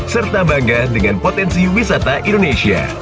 serta bangga dengan potensi wisata indonesia